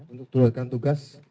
untuk teruskan tugas